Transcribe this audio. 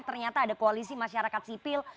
ternyata ada koalisi masyarakat sipil